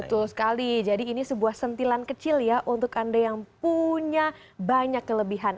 betul sekali jadi ini sebuah sentilan kecil ya untuk anda yang punya banyak kelebihan